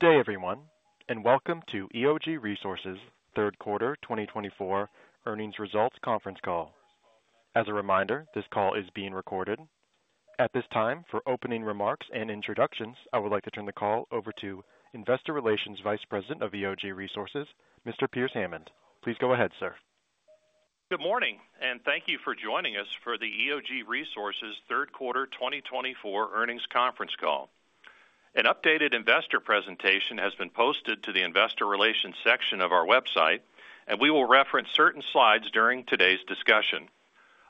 Good day, everyone, and welcome to EOG Resources' Q3 2024 Earnings Results Conference Call. As a reminder, this call is being recorded. At this time, for opening remarks and introductions, I would like to turn the call over to Investor Relations Vice President of EOG Resources, Mr. Pearce Hammond. Please go ahead, sir. Good morning, and thank you for joining us for the EOG Resources' Q3 2024 Earnings Conference Call. An updated investor presentation has been posted to the Investor Relations section of our website, and we will reference certain slides during today's discussion.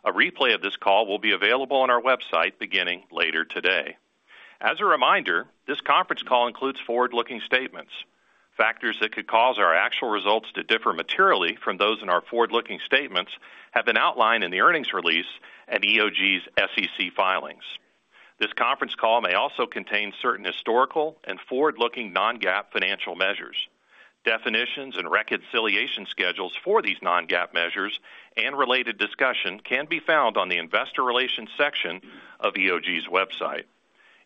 A replay of this call will be available on our website beginning later today. As a reminder, this conference call includes forward-looking statements. Factors that could cause our actual results to differ materially from those in our forward-looking statements have been outlined in the earnings release and EOG's SEC filings. This conference call may also contain certain historical and forward-looking non-GAAP financial measures. Definitions and reconciliation schedules for these non-GAAP measures and related discussion can be found on the Investor Relations section of EOG's website.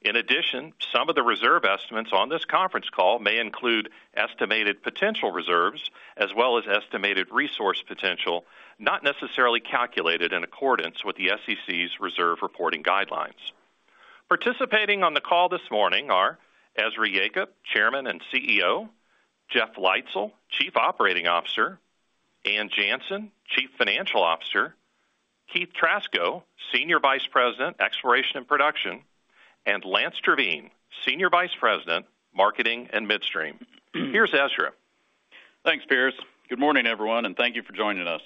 In addition, some of the reserve estimates on this conference call may include estimated potential reserves as well as estimated resource potential not necessarily calculated in accordance with the SEC's reserve reporting guidelines. Participating on the call this morning are Ezra Yacob, Chairman and CEO, Jeff Leitzell, Chief Operating Officer, Ann Janssen, Chief Financial Officer, Keith Trasko, Senior Vice President, Exploration and Production, and Lance Terveen, Senior Vice President, Marketing and Midstream. Here's Ezra. Thanks, Pierce. Good morning, everyone, and thank you for joining us.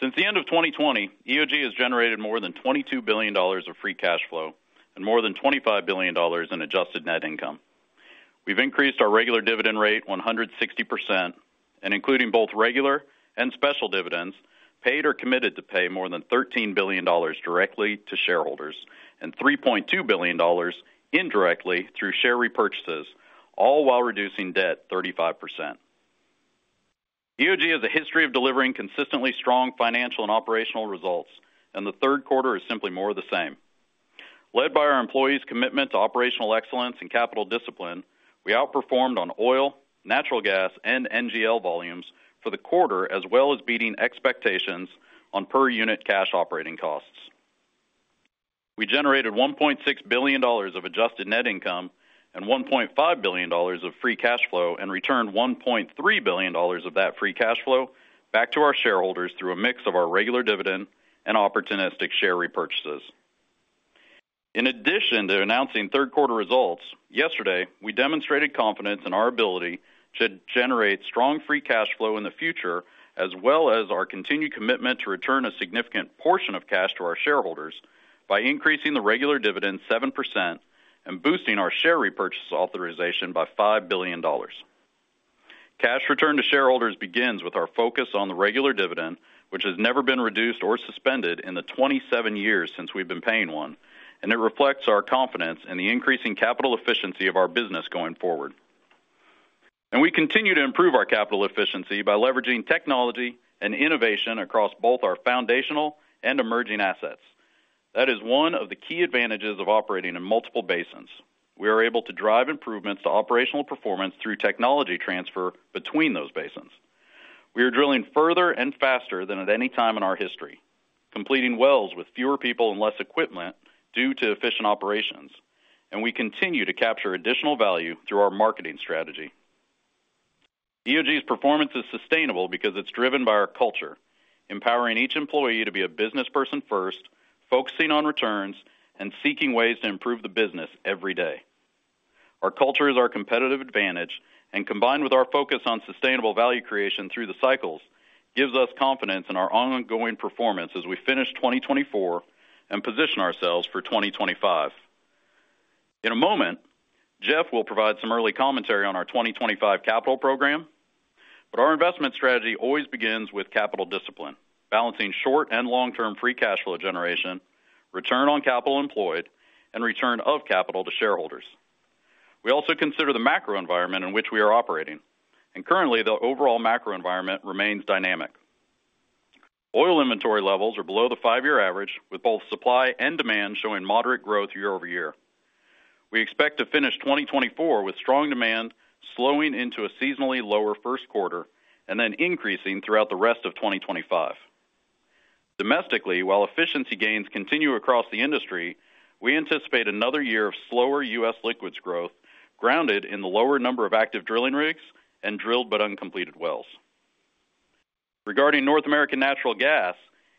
Since the end of 2020, EOG has generated more than $22 billion of free cash flow and more than $25 billion in adjusted net income. We've increased our regular dividend rate 160%, and including both regular and special dividends, paid or committed to pay more than $13 billion directly to shareholders and $3.2 billion indirectly through share repurchases, all while reducing debt 35%. EOG has a history of delivering consistently strong financial and operational results, and the Q3 is simply more of the same. Led by our employees' commitment to operational excellence and capital discipline, we outperformed on oil, natural gas, and NGL volumes for the quarter as well as beating expectations on per-unit cash operating costs. We generated $1.6 billion of adjusted net income and $1.5 billion of free cash flow and returned $1.3 billion of that free cash flow back to our shareholders through a mix of our regular dividend and opportunistic share repurchases. In addition to announcing Q3 results yesterday, we demonstrated confidence in our ability to generate strong free cash flow in the future as well as our continued commitment to return a significant portion of cash to our shareholders by increasing the regular dividend 7% and boosting our share repurchase authorization by $5 billion. Cash return to shareholders begins with our focus on the regular dividend, which has never been reduced or suspended in the 27 years since we've been paying one, and it reflects our confidence in the increasing capital efficiency of our business going forward. We continue to improve our capital efficiency by leveraging technology and innovation across both our foundational and emerging assets. That is one of the key advantages of operating in multiple basins. We are able to drive improvements to operational performance through technology transfer between those basins. We are drilling further and faster than at any time in our history, completing wells with fewer people and less equipment due to efficient operations, and we continue to capture additional value through our marketing strategy. EOG's performance is sustainable because it's driven by our culture, empowering each employee to be a business person first, focusing on returns, and seeking ways to improve the business every day. Our culture is our competitive advantage, and combined with our focus on sustainable value creation through the cycles, gives us confidence in our ongoing performance as we finish 2024 and position ourselves for 2025. In a moment, Jeff will provide some early commentary on our 2025 capital program, but our investment strategy always begins with capital discipline, balancing short and long-term free cash flow generation, return on capital employed, and return of capital to shareholders. We also consider the macro environment in which we are operating, and currently, the overall macro environment remains dynamic. Oil inventory levels are below the five-year average, with both supply and demand showing moderate growth year-over-year. We expect to finish 2024 with strong demand slowing into a seasonally lower Q1 and then increasing throughout the rest of 2025. Domestically, while efficiency gains continue across the industry, we anticipate another year of slower U.S. liquids growth grounded in the lower number of active drilling rigs and drilled but uncompleted wells. Regarding North American natural gas,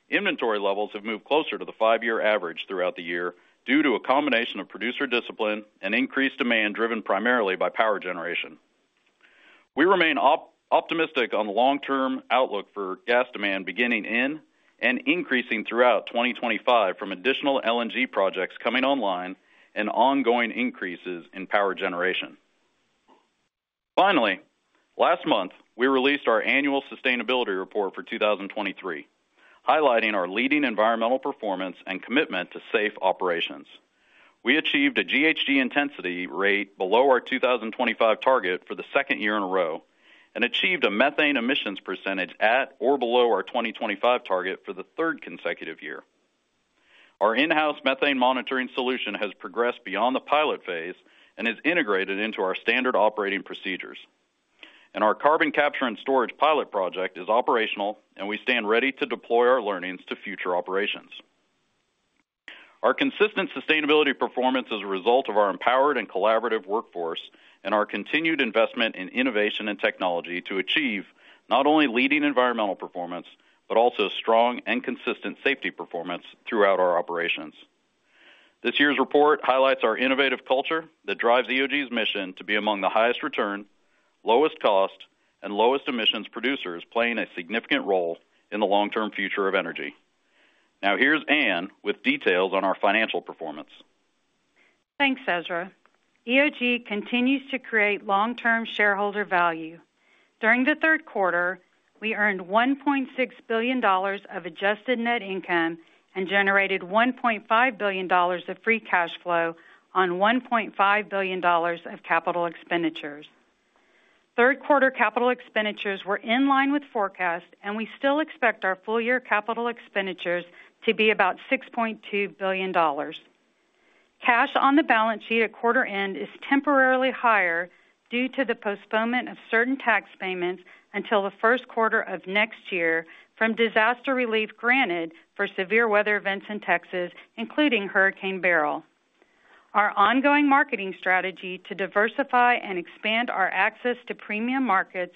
inventory levels have moved closer to the five-year average throughout the year due to a combination of producer discipline and increased demand driven primarily by power generation. We remain optimistic on the long-term outlook for gas demand beginning in and increasing throughout 2025 from additional LNG projects coming online and ongoing increases in power generation. Finally, last month, we released our annual sustainability report for 2023, highlighting our leading environmental performance and commitment to safe operations. We achieved a GHG intensity rate below our 2025 target for the second year in a row and achieved a methane emissions percentage at or below our 2025 target for the third consecutive year. Our in-house methane monitoring solution has progressed beyond the pilot phase and is integrated into our standard operating procedures. Our carbon capture and storage pilot project is operational, and we stand ready to deploy our learnings to future operations. Our consistent sustainability performance is a result of our empowered and collaborative workforce and our continued investment in innovation and technology to achieve not only leading environmental performance but also strong and consistent safety performance throughout our operations. This year's report highlights our innovative culture that drives EOG's mission to be among the highest return, lowest cost, and lowest emissions producers playing a significant role in the long-term future of energy. Now, here's Ann with details on our financial performance. Thanks, Ezra. EOG continues to create long-term shareholder value. During the Q3, we earned $1.6 billion of adjusted net income and generated $1.5 billion of free cash flow on $1.5 billion of capital expenditures. Q3 capital expenditures were in line with forecast, and we still expect our full-year capital expenditures to be about $6.2 billion. Cash on the balance sheet at quarter end is temporarily higher due to the postponement of certain tax payments until the Q1 of next year from disaster relief granted for severe weather events in Texas, including Hurricane Beryl. Our ongoing marketing strategy to diversify and expand our access to premium markets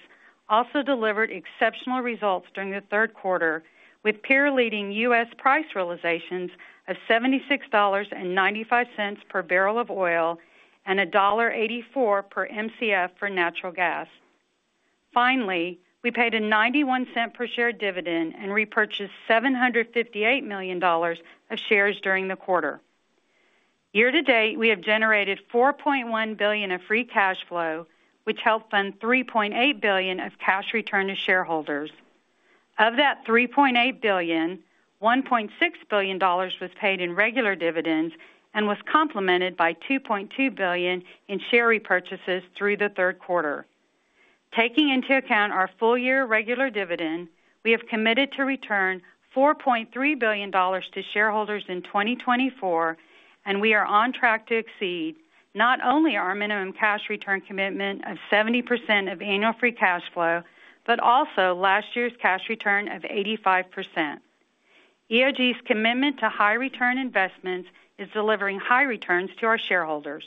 also delivered exceptional results during the Q3, with peer-leading U.S. price realizations of $76.95 per barrel of oil and $1.84 per MCF for natural gas. Finally, we paid a $0.91 per share dividend and repurchased $758 million of shares during the quarter. Year to date, we have generated $4.1 billion of free cash flow, which helped fund $3.8 billion of cash return to shareholders. Of that $3.8 billion, $1.6 billion was paid in regular dividends and was complemented by $2.2 billion in share repurchases through the Q3. Taking into account our full-year regular dividend, we have committed to return $4.3 billion to shareholders in 2024, and we are on track to exceed not only our minimum cash return commitment of 70% of annual free cash flow but also last year's cash return of 85%. EOG's commitment to high return investments is delivering high returns to our shareholders.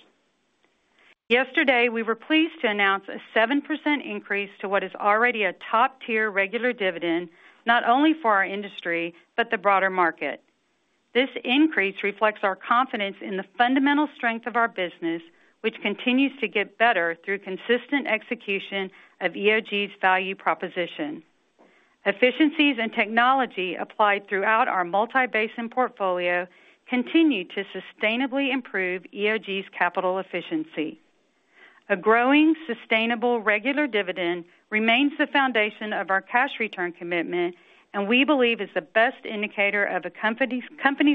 Yesterday, we were pleased to announce a 7% increase to what is already a top-tier regular dividend not only for our industry but the broader market. This increase reflects our confidence in the fundamental strength of our business, which continues to get better through consistent execution of EOG's value proposition. Efficiencies and technology applied throughout our multi-basin portfolio continue to sustainably improve EOG's capital efficiency. A growing sustainable regular dividend remains the foundation of our cash return commitment, and we believe is the best indicator of a company's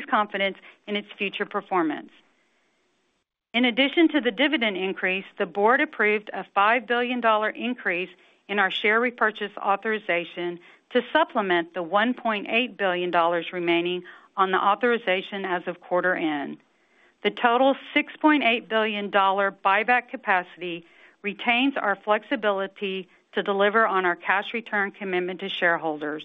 confidence in its future performance. In addition to the dividend increase, the board approved a $5 billion increase in our share repurchase authorization to supplement the $1.8 billion remaining on the authorization as of quarter end. The total $6.8 billion buyback capacity retains our flexibility to deliver on our cash return commitment to shareholders.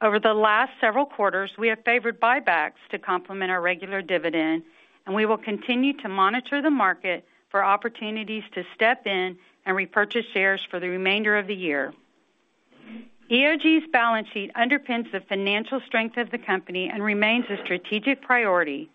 Over the last several quarters, we have favored buybacks to complement our regular dividend, and we will continue to monitor the market for opportunities to step in and repurchase shares for the remainder of the year. EOG's balance sheet underpins the financial strength of the company and remains a strategic priority.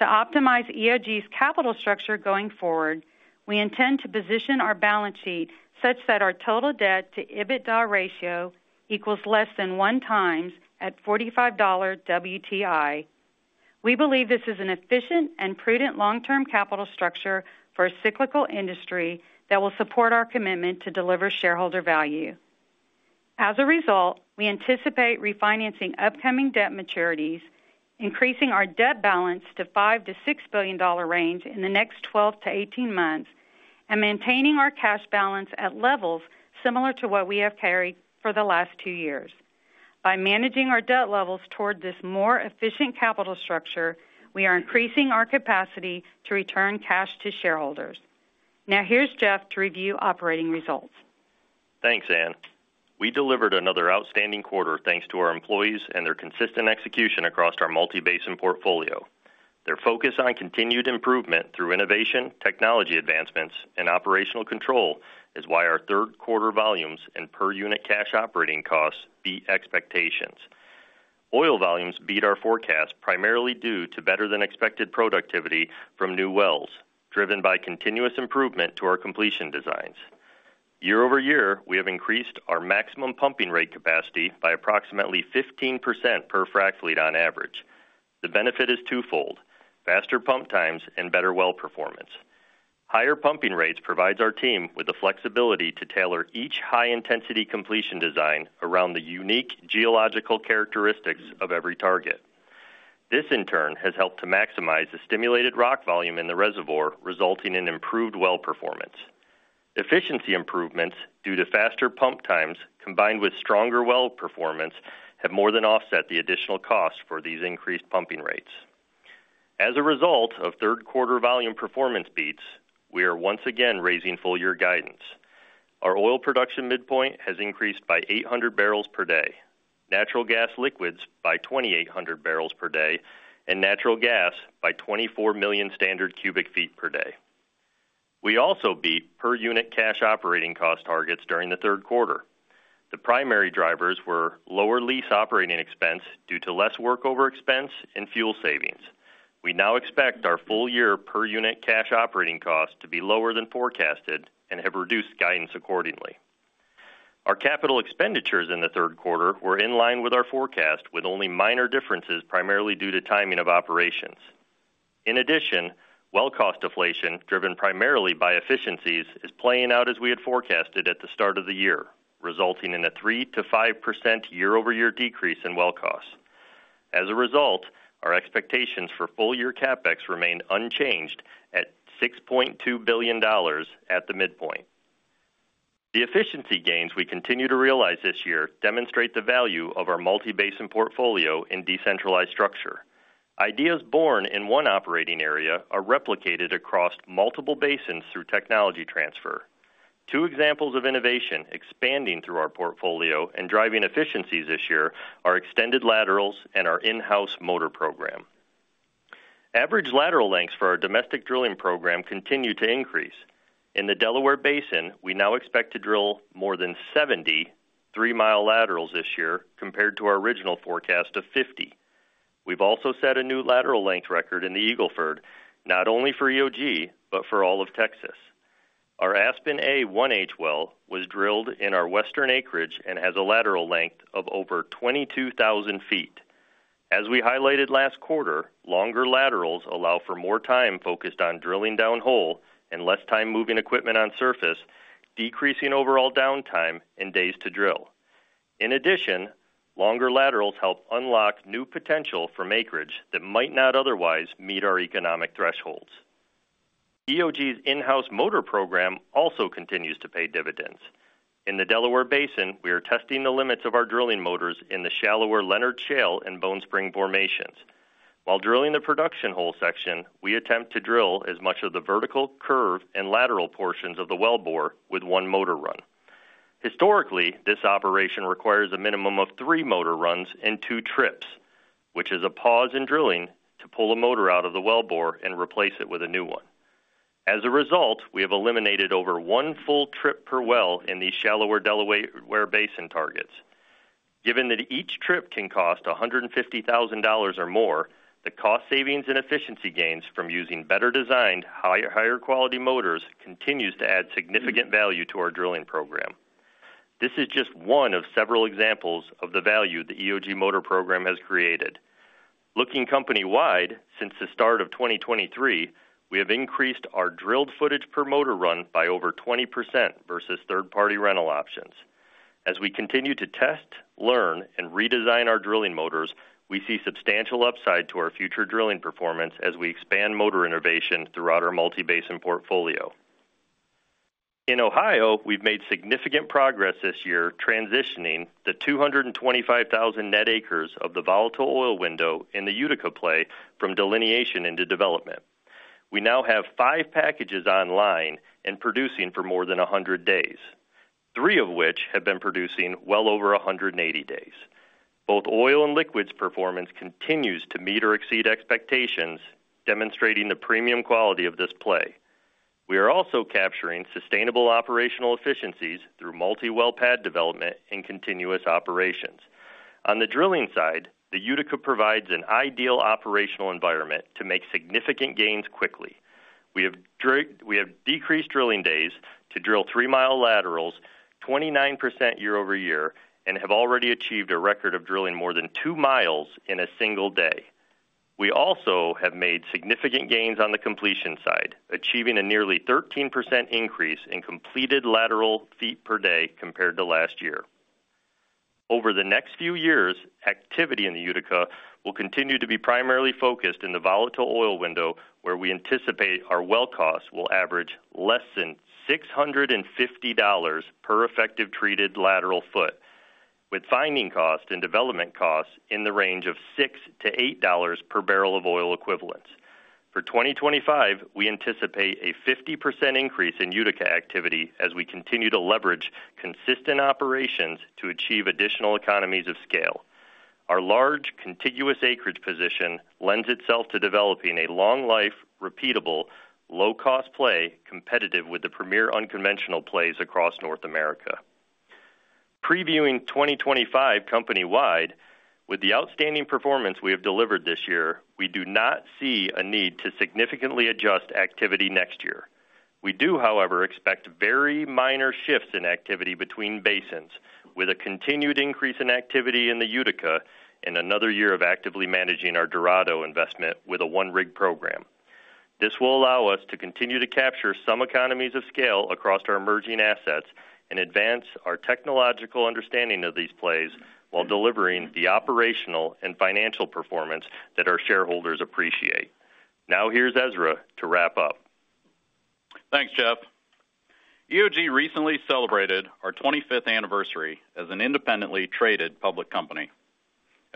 To optimize EOG's capital structure going forward, we intend to position our balance sheet such that our total debt to EBITDA ratio equals less than one times at $45 WTI. We believe this is an efficient and prudent long-term capital structure for a cyclical industry that will support our commitment to deliver shareholder value. As a result, we anticipate refinancing upcoming debt maturities, increasing our debt balance to $5 billion-$6 billion range in the next 12-18 months, and maintaining our cash balance at levels similar to what we have carried for the last two years. By managing our debt levels toward this more efficient capital structure, we are increasing our capacity to return cash to shareholders. Now, here's Jeff to review operating results. Thanks, Ann. We delivered another outstanding quarter thanks to our employees and their consistent execution across our multi-basin portfolio. Their focus on continued improvement through innovation, technology advancements, and operational control is why our Q3 volumes and per-unit cash operating costs beat expectations. Oil volumes beat our forecast primarily due to better-than-expected productivity from new wells, driven by continuous improvement to our completion designs. year-over-year, we have increased our maximum pumping rate capacity by approximately 15% per frac fleet on average. The benefit is twofold: faster pump times and better well performance. Higher pumping rates provide our team with the flexibility to tailor each high-intensity completion design around the unique geological characteristics of every target. This, in turn, has helped to maximize the stimulated rock volume in the reservoir, resulting in improved well performance. Efficiency improvements due to faster pump times, combined with stronger well performance, have more than offset the additional costs for these increased pumping rates. As a result of Q3 volume performance beats, we are once again raising full-year guidance. Our oil production midpoint has increased by 800 barrels per day, natural gas liquids by 2,800 barrels per day, and natural gas by 24 million standard cubic feet per day. We also beat per-unit cash operating cost targets during the Q3. The primary drivers were lower lease operating expense due to less workover expense and fuel savings. We now expect our full-year per-unit cash operating cost to be lower than forecasted and have reduced guidance accordingly. Our capital expenditures in the Q3 were in line with our forecast, with only minor differences primarily due to timing of operations. In addition, well cost deflation, driven primarily by efficiencies, is playing out as we had forecasted at the start of the year, resulting in a 3%-5% year-over-year decrease in well costs. As a result, our expectations for full-year CapEx remain unchanged at $6.2 billion at the midpoint. The efficiency gains we continue to realize this year demonstrate the value of our multi-basin portfolio in decentralized structure. Ideas born in one operating area are replicated across multiple basins through technology transfer. Two examples of innovation expanding through our portfolio and driving efficiencies this year are extended laterals and our in-house motor program. Average lateral lengths for our domestic drilling program continue to increase. In the Delaware Basin, we now expect to drill more than 70 three-mile laterals this year compared to our original forecast of 50. We've also set a new lateral length record in the Eagle Ford, not only for EOG but for all of Texas. Our Aspen A1H well was drilled in our western acreage and has a lateral length of over 22,000 feet. As we highlighted last quarter, longer laterals allow for more time focused on drilling down hole and less time moving equipment on surface, decreasing overall downtime and days to drill. In addition, longer laterals help unlock new potential from acreage that might not otherwise meet our economic thresholds. EOG's in-house motor program also continues to pay dividends. In the Delaware Basin, we are testing the limits of our drilling motors in the shallower Leonard Shale and Bone Spring formations. While drilling the production hole section, we attempt to drill as much of the vertical, curve, and lateral portions of the well bore with one motor run. Historically, this operation requires a minimum of three motor runs and two trips, which is a pause in drilling to pull a motor out of the wellbore and replace it with a new one. As a result, we have eliminated over one full trip per well in these shallower Delaware Basin targets. Given that each trip can cost $150,000 or more, the cost savings and efficiency gains from using better designed, higher quality motors continues to add significant value to our drilling program. This is just one of several examples of the value the EOG motor program has created. Looking company-wide, since the start of 2023, we have increased our drilled footage per motor run by over 20% versus third-party rental options. As we continue to test, learn, and redesign our drilling motors, we see substantial upside to our future drilling performance as we expand motor innovation throughout our multi-basin portfolio. In Ohio, we've made significant progress this year transitioning the 225,000 net acres of the volatile oil window in the Utica play from delineation into development. We now have five packages online and producing for more than 100 days, three of which have been producing well over 180 days. Both oil and liquids performance continues to meet or exceed expectations, demonstrating the premium quality of this play. We are also capturing sustainable operational efficiencies through multi-well pad development and continuous operations. On the drilling side, the Utica provides an ideal operational environment to make significant gains quickly. We have decreased drilling days to drill three-mile laterals 29% year-over-year and have already achieved a record of drilling more than two miles in a single day. We also have made significant gains on the completion side, achieving a nearly 13% increase in completed lateral feet per day compared to last year. Over the next few years, activity in the Utica will continue to be primarily focused in the volatile oil window, where we anticipate our well costs will average less than $650 per effective treated lateral foot, with finding and development costs in the range of $6-$8 per barrel of oil equivalents. For 2025, we anticipate a 50% increase in Utica activity as we continue to leverage consistent operations to achieve additional economies of scale. Our large contiguous acreage position lends itself to developing a long-life, repeatable, low-cost play competitive with the premier unconventional plays across North America. Previewing 2025 company-wide, with the outstanding performance we have delivered this year, we do not see a need to significantly adjust activity next year. We do, however, expect very minor shifts in activity between basins, with a continued increase in activity in the Utica in another year of actively managing our Dorado investment with a one-rig program. This will allow us to continue to capture some economies of scale across our emerging assets and advance our technological understanding of these plays while delivering the operational and financial performance that our shareholders appreciate. Now, here's Ezra to wrap up. Thanks, Jeff. EOG recently celebrated our 25th anniversary as an independently traded public company.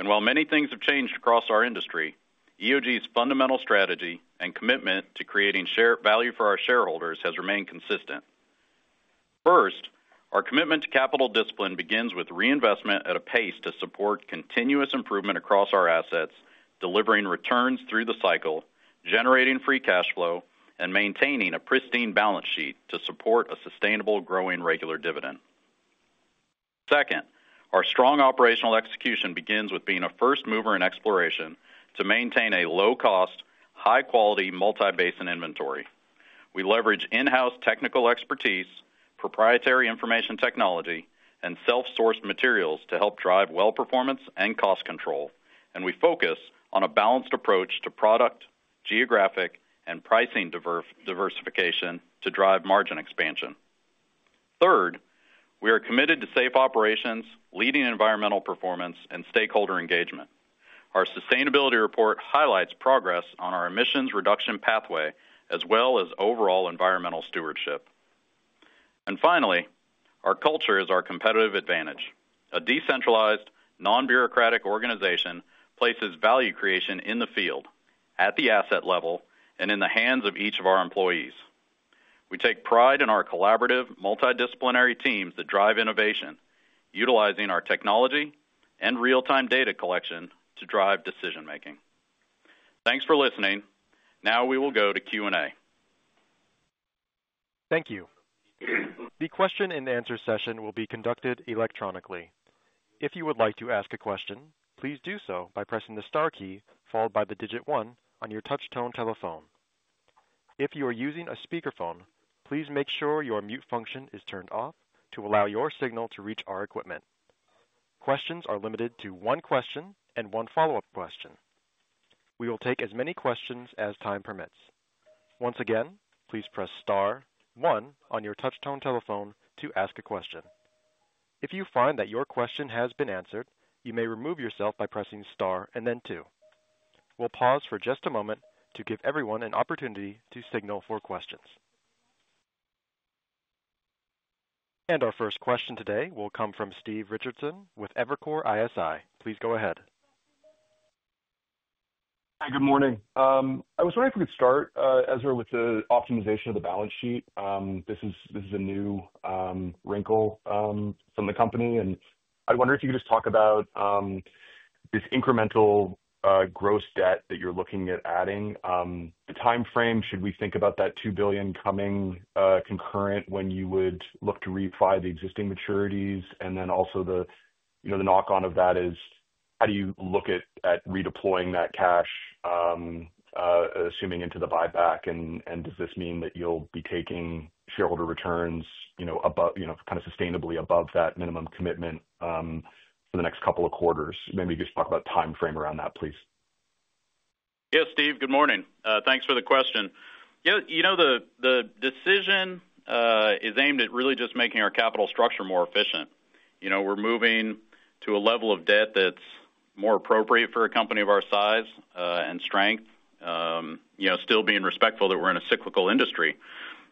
While many things have changed across our industry, EOG's fundamental strategy and commitment to creating shareholder value for our shareholders has remained consistent. First, our commitment to capital discipline begins with reinvestment at a pace to support continuous improvement across our assets, delivering returns through the cycle, generating free cash flow, and maintaining a pristine balance sheet to support a sustainable growing regular dividend. Second, our strong operational execution begins with being a first mover in exploration to maintain a low-cost, high-quality multi-basin inventory. We leverage in-house technical expertise, proprietary information technology, and self-sourced materials to help drive well performance and cost control. We focus on a balanced approach to product, geographic, and pricing diversification to drive margin expansion. Third, we are committed to safe operations, leading environmental performance, and stakeholder engagement. Our sustainability report highlights progress on our emissions reduction pathway as well as overall environmental stewardship. Finally, our culture is our competitive advantage. A decentralized, non-bureaucratic organization places value creation in the field, at the asset level, and in the hands of each of our employees. We take pride in our collaborative, multidisciplinary teams that drive innovation, utilizing our technology and real-time data collection to drive decision-making. Thanks for listening. Now we will go to Q&A. Thank you. The Q&A session will be conducted electronically. If you would like to ask a question, please do so by pressing the star key followed by the digit one on your touch-tone telephone. If you are using a speakerphone, please make sure your mute function is turned off to allow your signal to reach our equipment. Questions are limited to one question and one follow-up question. We will take as many questions as time permits. Once again, please press star one on your touch-tone telephone to ask a question. If you find that your question has been answered, you may remove yourself by pressing star and then two. We'll pause for just a moment to give everyone an opportunity to signal for questions. And our first question today will come from Steve Richardson with Evercore ISI. Please go ahead. Hi, good morning. I was wondering if we could start, Ezra, with the optimization of the balance sheet. This is a new wrinkle from the company. And I wonder if you could just talk about this incremental gross debt that you're looking at adding. The time frame, should we think about that $2 billion coming concurrent when you would look to repay the existing maturities? And then also the knock-on of that is, how do you look at redeploying that cash, assuming into the buyback? And does this mean that you'll be taking shareholder returns kind of sustainably above that minimum commitment for the next couple of quarters? Maybe just talk about the time frame around that, please. Yeah, Steve, good morning. Thanks for the question. You know, the decision is aimed at really just making our capital structure more efficient. We're moving to a level of debt that's more appropriate for a company of our size and strength, still being respectful that we're in a cyclical industry.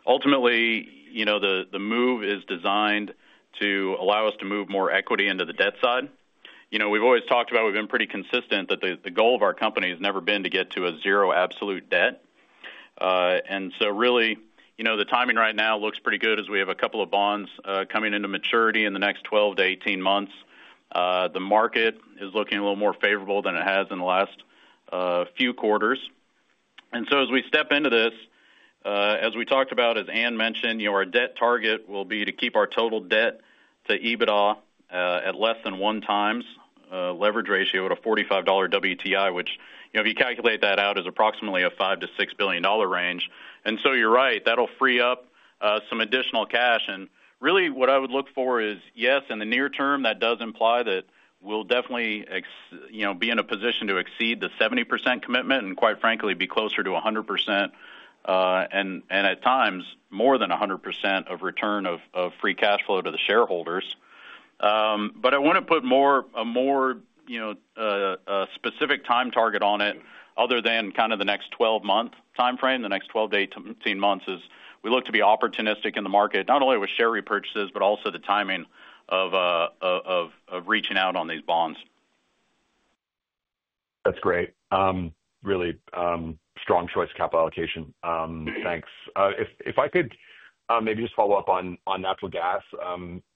Ultimately, the move is designed to allow us to move more equity into the debt side. We've always talked about, we've been pretty consistent, that the goal of our company has never been to get to a zero absolute debt. And so really, the timing right now looks pretty good as we have a couple of bonds coming into maturity in the next 12-18 months. The market is looking a little more favorable than it has in the last few quarters. As we step into this, as we talked about, as Ann mentioned, our debt target will be to keep our total debt to EBITDA at less than one times leverage ratio at a $45 WTI, which if you calculate that out, is approximately a $5-$6 billion range. You're right, that'll free up some additional cash. Really, what I would look for is, yes, in the near term, that does imply that we'll definitely be in a position to exceed the 70% commitment and, quite frankly, be closer to 100% and at times more than 100% of return of free cash flow to the shareholders. But I want to put a more specific time target on it other than kind of the next 12-month time frame, the next 12 to 18 months, as we look to be opportunistic in the market, not only with share repurchases, but also the timing of reaching out on these bonds. That's great. Really strong choice, Capital Allocation. Thanks. If I could maybe just follow up on natural gas,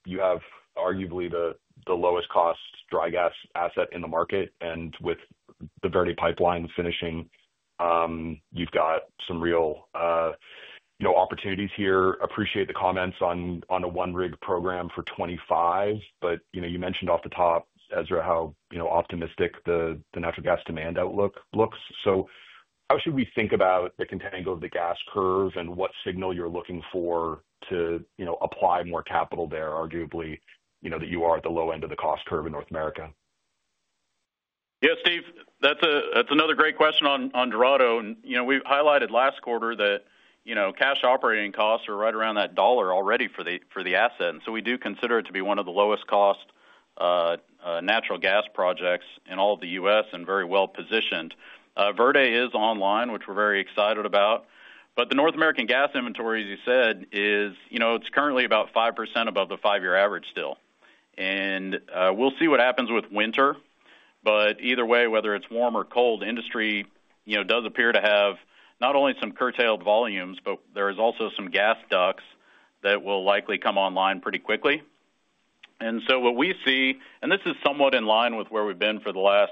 you have arguably the lowest cost dry gas asset in the market. And with the Verde Pipeline finishing, you've got some real opportunities here. Appreciate the comments on a one-rig program for 2025. But you mentioned off the top, Ezra, how optimistic the natural gas demand outlook looks. So how should we think about the contango of the gas curve and what signal you're looking for to apply more capital there, arguably, that you are at the low end of the cost curve in North America? Yeah, Steve, that's another great question on Dorado. We've highlighted last quarter that cash operating costs are right around that dollar already for the asset. And so we do consider it to be one of the lowest cost natural gas projects in all of the U.S. and very well positioned. Verde is online, which we're very excited about. But the North American gas inventory, as you said, is currently about 5% above the five-year average still. And we'll see what happens with winter. But either way, whether it's warm or cold, industry does appear to have not only some curtailed volumes, but there are also some gas DUCs that will likely come online pretty quickly. And so what we see, and this is somewhat in line with where we've been for the last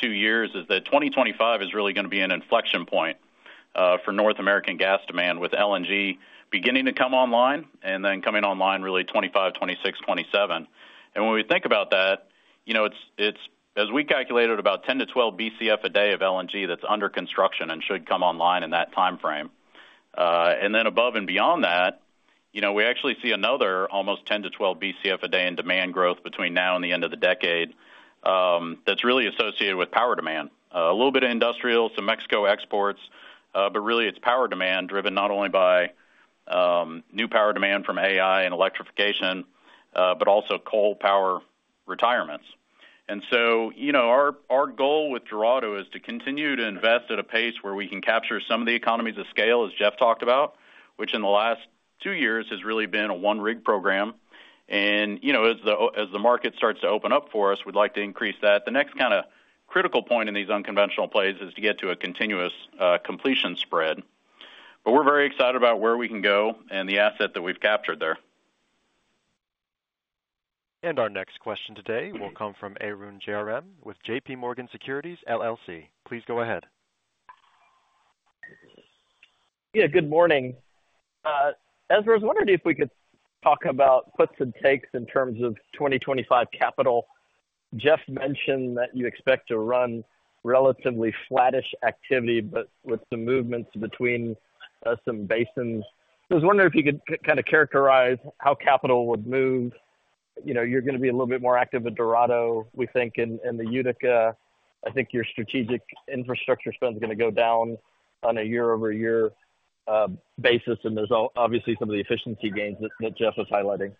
two years, is that 2025 is really going to be an inflection point for North American gas demand, with LNG beginning to come online and then coming online really 2025, 2026, 2027. And when we think about that, as we calculated, about 10-12 BCF a day of LNG that's under construction and should come online in that time frame. And then above and beyond that, we actually see another almost 10-12 BCF a day in demand growth between now and the end of the decade that's really associated with power demand. A little bit of industrial, some Mexico exports, but really it's power demand driven not only by new power demand from AI and electrification, but also coal power retirements. And so our goal with Dorado is to continue to invest at a pace where we can capture some of the economies of scale, as Jeff talked about, which in the last two years has really been a one-rig program. And as the market starts to open up for us, we'd like to increase that. The next kind of critical point in these unconventional plays is to get to a continuous completion spread. But we're very excited about where we can go and the asset that we've captured there. Our next question today will come from Arun Jayaram with J.P. Morgan Securities LLC. Please go ahead. Yeah, good morning. Ezra, I was wondering if we could talk about puts and takes in terms of 2025 capital. Jeff mentioned that you expect to run relatively flattish activity, but with some movements between some basins, so I was wondering if you could kind of characterize how capital would move. You're going to be a little bit more active at Dorado, we think, and the Utica. I think your strategic infrastructure spend is going to go down on a year-over-year basis, and there's obviously some of the efficiency gains that Jeff was highlighting.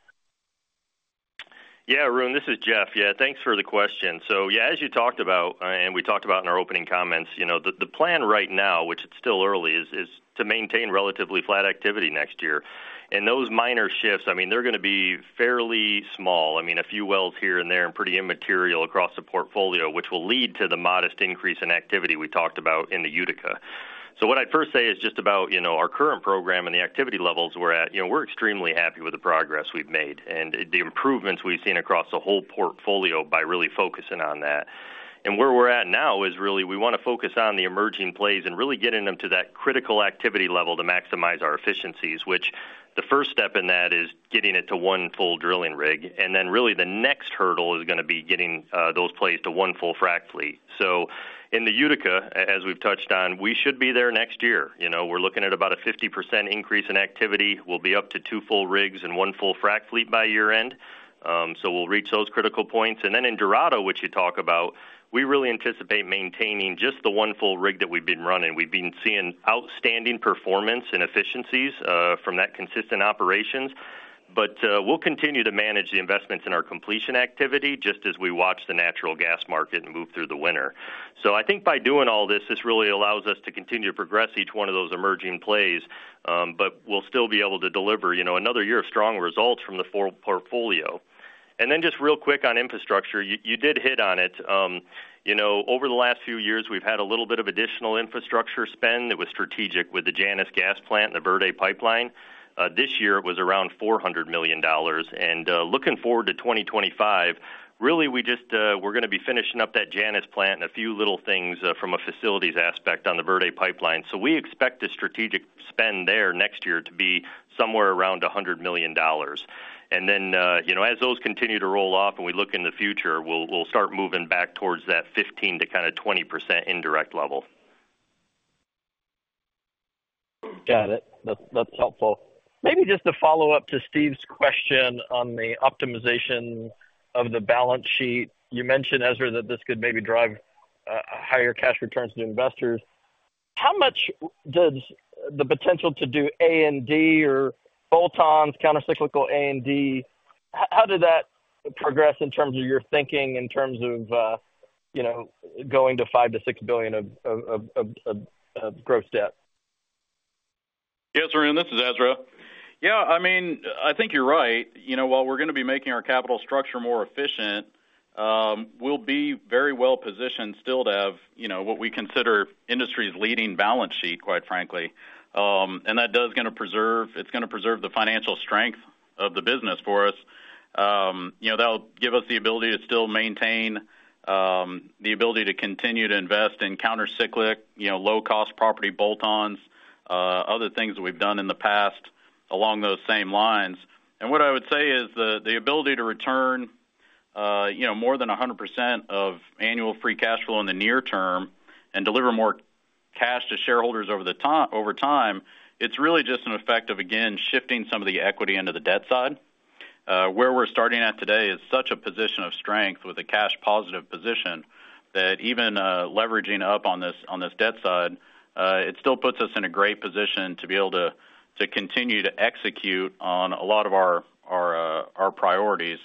Yeah, Arun, this is Jeff. Yeah, thanks for the question. So yeah, as you talked about, and we talked about in our opening comments, the plan right now, which it's still early, is to maintain relatively flat activity next year. And those minor shifts, I mean, they're going to be fairly small. I mean, a few wells here and there and pretty immaterial across the portfolio, which will lead to the modest increase in activity we talked about in the Utica. So what I'd first say is just about our current program and the activity levels we're at, we're extremely happy with the progress we've made and the improvements we've seen across the whole portfolio by really focusing on that. And where we're at now is really we want to focus on the emerging plays and really getting them to that critical activity level to maximize our efficiencies, which, the first step in that is getting it to one full drilling rig. And then really the next hurdle is going to be getting those plays to one full frac fleet. So in the Utica, as we've touched on, we should be there next year. We're looking at about a 50% increase in activity. We'll be up to two full rigs and one full frac fleet by year-end. So we'll reach those critical points. And then in Dorado, which you talk about, we really anticipate maintaining just the one full rig that we've been running. We've been seeing outstanding performance and efficiencies from that consistent operations. But we'll continue to manage the investments in our completion activity just as we watch the natural gas market move through the winter. So I think by doing all this, this really allows us to continue to progress each one of those emerging plays, but we'll still be able to deliver another year of strong results from the full portfolio. And then just real quick on infrastructure, you did hit on it. Over the last few years, we've had a little bit of additional infrastructure spend that was strategic with the Janus Gas Plant and the Verity Pipeline. This year, it was around $400 million. And looking forward to 2025, really we're going to be finishing up that Janus plant and a few little things from a facilities aspect on the Verity Pipeline. So we expect the strategic spend there next year to be somewhere around $100 million. And then as those continue to roll off and we look in the future, we'll start moving back towards that 15% to kind of 20% indirect level. Got it. That's helpful. Maybe just to follow up to Steve's question on the optimization of the balance sheet, you mentioned, Ezra, that this could maybe drive higher cash returns to investors. How much does the potential to do A&D or bolt-ons, countercyclical A&D, how did that progress in terms of your thinking in terms of going to $5-$6 billion of gross debt? Yeah, it's Arun. This is Ezra. Yeah, I mean, I think you're right. While we're going to be making our capital structure more efficient, we'll be very well positioned still to have what we consider industry's leading balance sheet, quite frankly. And that is going to preserve the financial strength of the business for us. That'll give us the ability to still maintain the ability to continue to invest in countercyclic, low-cost property bolt-ons, other things that we've done in the past along those same lines. And what I would say is the ability to return more than 100% of annual free cash flow in the near term and deliver more cash to shareholders over time, it's really just an effect of, again, shifting some of the equity into the debt side. Where we're starting at today is such a position of strength with a cash-positive position that even leveraging up on this debt side, it still puts us in a great position to be able to continue to execute on a lot of our priorities,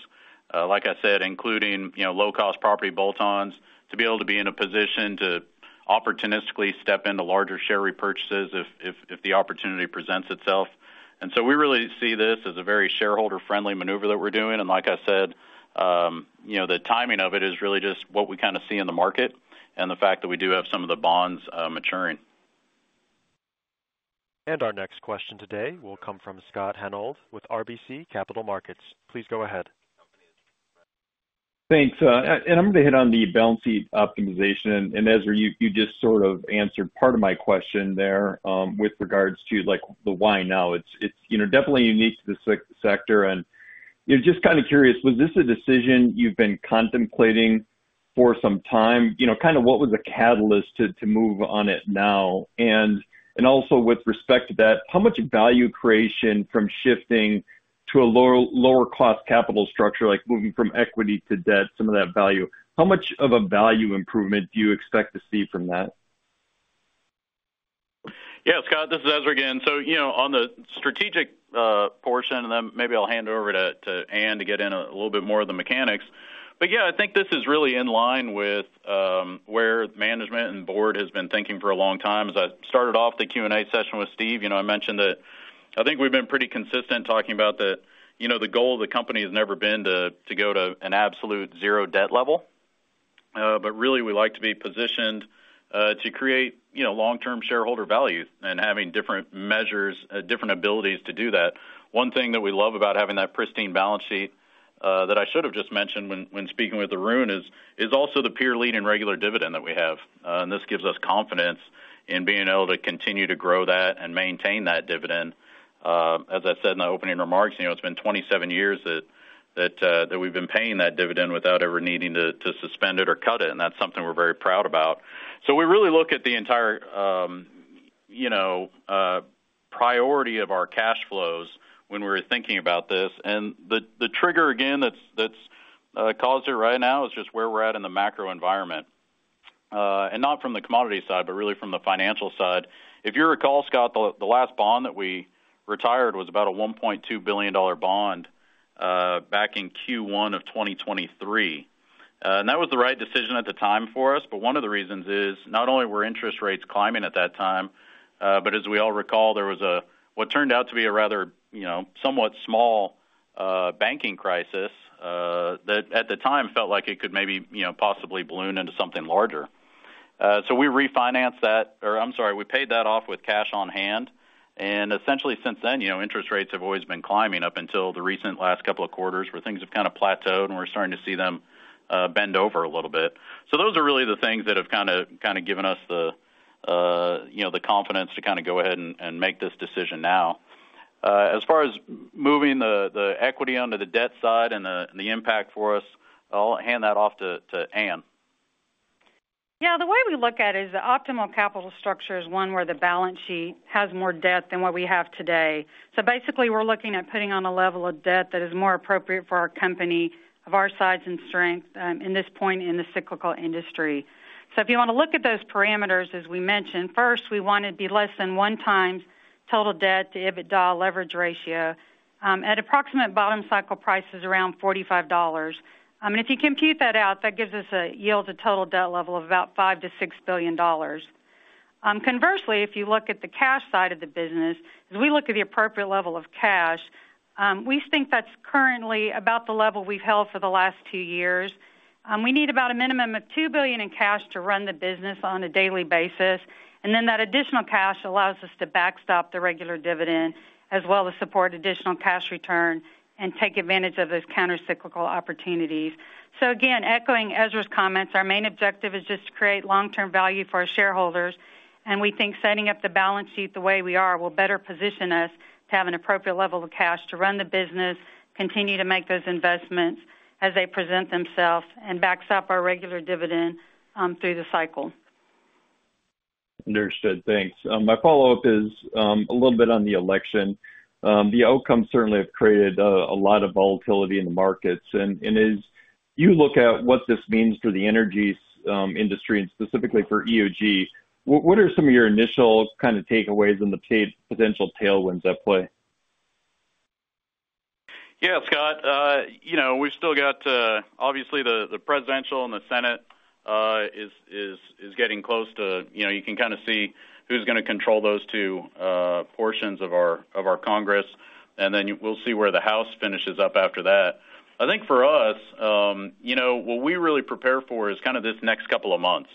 like I said, including low-cost property bolt-ons, to be able to be in a position to opportunistically step into larger share repurchases if the opportunity presents itself. And so we really see this as a very shareholder-friendly maneuver that we're doing. And like I said, the timing of it is really just what we kind of see in the market and the fact that we do have some of the bonds maturing. Our next question today will come from Scott Hanold with RBC Capital Markets. Please go ahead. Thanks. And I'm going to hit on the balance sheet optimization. And Ezra, you just sort of answered part of my question there with regards to the why now. It's definitely unique to the sector. And just kind of curious, was this a decision you've been contemplating for some time? Kind of what was the catalyst to move on it now? And also with respect to that, how much value creation from shifting to a lower-cost capital structure, like moving from equity to debt, some of that value, how much of a value improvement do you expect to see from that? Yeah, Scott, this is Ezra again. So on the strategic portion, and then maybe I'll hand it over to Ann to get in a little bit more of the mechanics. But yeah, I think this is really in line with where the management and board has been thinking for a long time. As I started off the Q&A session with Steve, I mentioned that I think we've been pretty consistent talking about that the goal of the company has never been to go to an absolute zero debt level. But really, we like to be positioned to create long-term shareholder value and having different measures, different abilities to do that. One thing that we love about having that pristine balance sheet that I should have just mentioned when speaking with Arun is also the peerless and regular dividend that we have. This gives us confidence in being able to continue to grow that and maintain that dividend. As I said in the opening remarks, it's been 27 years that we've been paying that dividend without ever needing to suspend it or cut it. That's something we're very proud about. We really look at the entire priority of our cash flows when we were thinking about this. The trigger, again, that's caused it right now is just where we're at in the macro environment. Not from the commodity side, but really from the financial side. If you recall, Scott, the last bond that we retired was about a $1.2 billion bond back in Q1 of 2023. That was the right decision at the time for us. One of the reasons is not only were interest rates climbing at that time, but as we all recall, there was what turned out to be a rather somewhat small banking crisis that at the time felt like it could maybe possibly balloon into something larger. We refinanced that, or I'm sorry, we paid that off with cash on hand. Essentially since then, interest rates have always been climbing up until the recent last couple of quarters where things have kind of plateaued and we're starting to see them bend over a little bit. Those are really the things that have kind of given us the confidence to kind of go ahead and make this decision now. As far as moving the equity onto the debt side and the impact for us, I'll hand that off to Ann. Yeah, the way we look at it is the optimal capital structure is one where the balance sheet has more debt than what we have today. So basically, we're looking at putting on a level of debt that is more appropriate for our company, of our size and strength in this point in the cyclical industry. So if you want to look at those parameters, as we mentioned, first, we want it to be less than one times total debt to EBITDA leverage ratio at approximate bottom cycle prices around $45. And if you compute that out, that gives us a yield to total debt level of about $5-$6 billion. Conversely, if you look at the cash side of the business, as we look at the appropriate level of cash, we think that's currently about the level we've held for the last two years. We need about a minimum of $2 billion in cash to run the business on a daily basis. And then that additional cash allows us to backstop the regular dividend as well as support additional cash return and take advantage of those countercyclical opportunities. So again, echoing Ezra's comments, our main objective is just to create long-term value for our shareholders. And we think setting up the balance sheet the way we are will better position us to have an appropriate level of cash to run the business, continue to make those investments as they present themselves, and backstop our regular dividend through the cycle. Understood. Thanks. My follow-up is a little bit on the election. The outcomes certainly have created a lot of volatility in the markets. And as you look at what this means for the energy industry and specifically for EOG, what are some of your initial kind of takeaways and the potential tailwinds at play? Yeah, Scott, we've still got obviously the presidential and the Senate is getting close, too. You can kind of see who's going to control those two portions of our Congress, and then we'll see where the House finishes up after that. I think for us, what we really prepare for is kind of this next couple of months.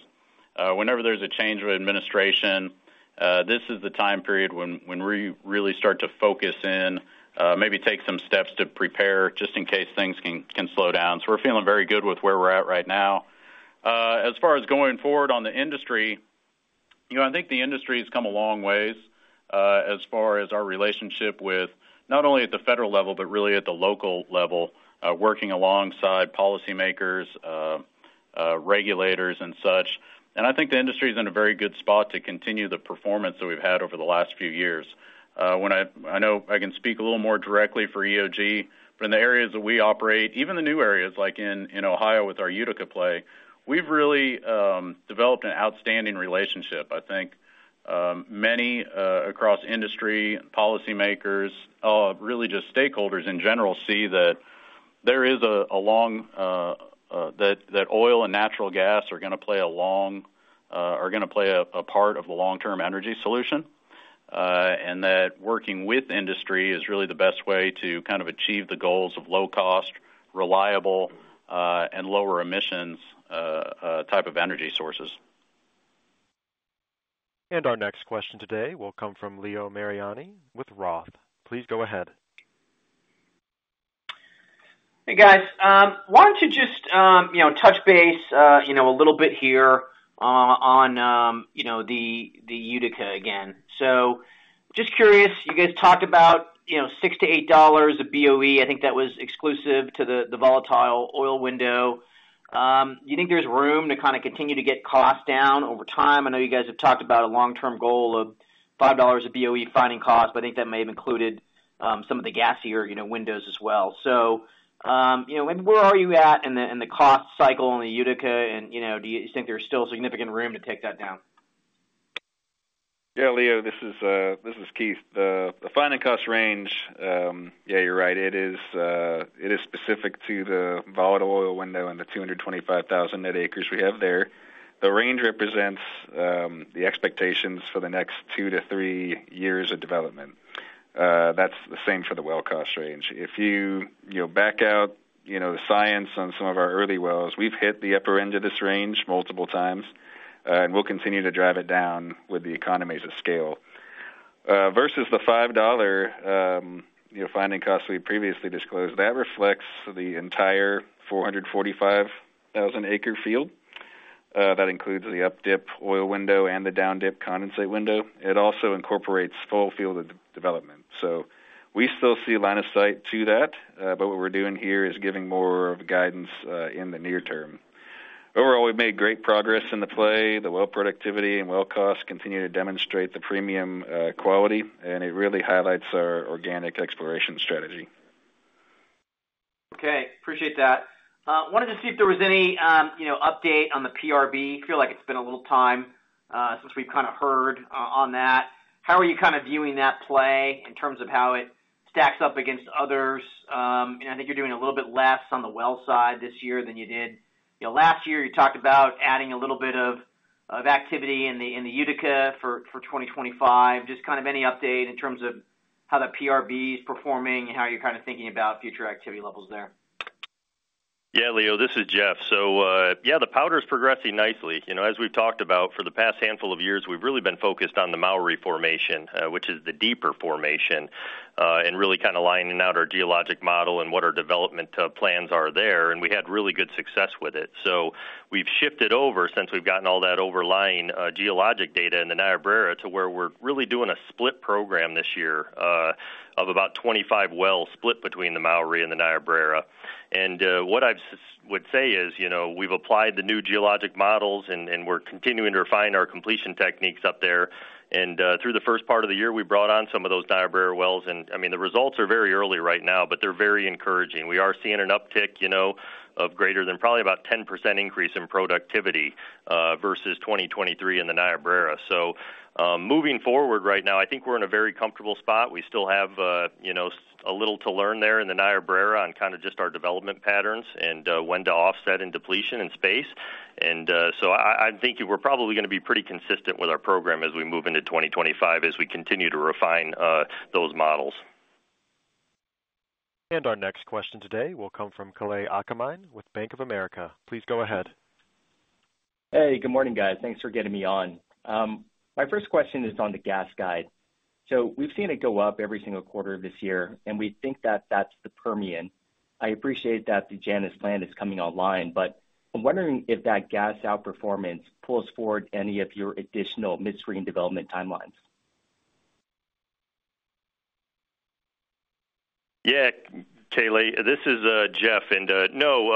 Whenever there's a change of administration, this is the time period when we really start to focus in, maybe take some steps to prepare just in case things can slow down, so we're feeling very good with where we're at right now. As far as going forward on the industry, I think the industry has come a long way as far as our relationship with not only at the federal level, but really at the local level, working alongside policymakers, regulators, and such. I think the industry is in a very good spot to continue the performance that we've had over the last few years. I know I can speak a little more directly for EOG, but in the areas that we operate, even the new areas like in Ohio with our Utica play, we've really developed an outstanding relationship. I think many across industry, policymakers, really just stakeholders in general see that oil and natural gas are going to play a part of the long-term energy solution. That working with industry is really the best way to kind of achieve the goals of low-cost, reliable, and lower emissions type of energy sources. And our next question today will come from Leo Mariani with Roth. Please go ahead. Hey, guys. I wanted to just touch base a little bit here on the Utica again. So just curious, you guys talked about $6-$8 a BOE. I think that was exclusive to the volatile oil window. Do you think there's room to kind of continue to get costs down over time? I know you guys have talked about a long-term goal of $5 a BOE finding costs, but I think that may have included some of the gassier windows as well. So maybe where are you at in the cost cycle on the Utica? And do you think there's still significant room to take that down? Yeah, Leo, this is Keith. The finding cost range, yeah, you're right. It is specific to the volatile oil window and the 225,000 net acres we have there. The range represents the expectations for the next two to three years of development. That's the same for the well cost range. If you back out the science on some of our early wells, we've hit the upper end of this range multiple times. And we'll continue to drive it down with the economies of scale. Versus the $5 finding costs we previously disclosed, that reflects the entire 445,000-acre field. That includes the updip oil window and the downdip condensate window. It also incorporates full field development. So we still see line of sight to that. But what we're doing here is giving more guidance in the near term. Overall, we've made great progress in the play. The well productivity and well costs continue to demonstrate the premium quality, and it really highlights our organic exploration strategy. Okay. Appreciate that. Wanted to see if there was any update on the PRB. I feel like it's been a little time since we've kind of heard on that. How are you kind of viewing that play in terms of how it stacks up against others? And I think you're doing a little bit less on the well side this year than you did last year. You talked about adding a little bit of activity in the Utica for 2025. Just kind of any update in terms of how the PRB is performing and how you're kind of thinking about future activity levels there? Yeah, Leo, this is Jeff. So yeah, the Powder River Basin is progressing nicely. As we've talked about, for the past handful of years, we've really been focused on the Mowry Formation, which is the deeper formation, and really kind of lining out our geologic model and what our development plans are there. And we had really good success with it. So we've shifted over since we've gotten all that overlying geologic data in the Niobrara to where we're really doing a split program this year of about 25 wells split between the Mowry and the Niobrara. And what I would say is we've applied the new geologic models, and we're continuing to refine our completion techniques up there. And through the first part of the year, we brought on some of those Niobrara wells. And I mean, the results are very early right now, but they're very encouraging. We are seeing an uptick of greater than probably about 10% increase in productivity versus 2023 in the Niobrara. So moving forward right now, I think we're in a very comfortable spot. We still have a little to learn there in the Niobrara on kind of just our development patterns and when to offset in depletion and space. And so I think we're probably going to be pretty consistent with our program as we move into 2025 as we continue to refine those models. Our next question today will come from Kalei Akamine with Bank of America. Please go ahead. Hey, good morning, guys. Thanks for getting me on. My first question is on the gas guide. So we've seen it go up every single quarter of this year, and we think that that's the Permian. I appreciate that the Janus Gas Plant is coming online, but I'm wondering if that gas outperformance pulls forward any of your additional midstream development timelines. Yeah, Kalei, this is Jeff, and no,